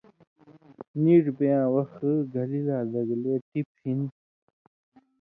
نیڙ بېن٘یاں وخ گھلی لا دگلے ٹِپیۡ ہِن